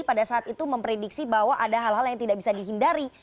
pada saat itu memprediksi bahwa ada hal hal yang tidak bisa dihindari